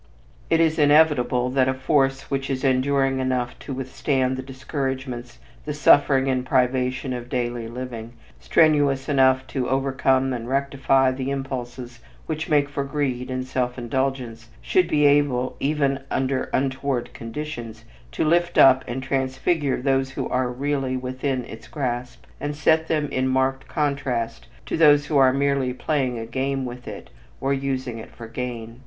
It is inevitable that a force which is enduring enough to withstand the discouragements, the suffering and privation of daily living, strenuous enough to overcome and rectify the impulses which make for greed and self indulgence, should be able, even under untoward conditions, to lift up and transfigure those who are really within its grasp and set them in marked contrast to those who are merely playing a game with it or using it for gain.